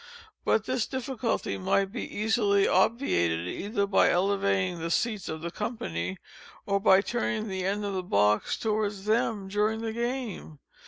But this difficulty might be easily obviated, either by elevating the seats of the company, or by turning the end of the box towards them during the game.